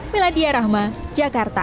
meladya rahma jakarta